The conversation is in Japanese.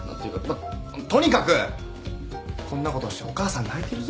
まっとにかくこんなことをしてお母さん泣いてるぞ。